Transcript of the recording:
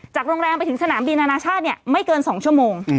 โรงแรมไปถึงสนามบินอนาชาติไม่เกิน๒ชั่วโมง